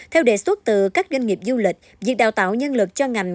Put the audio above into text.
theo đề xuất từ các doanh nghiệp du lịch việc đào tạo nhân lực cho ngành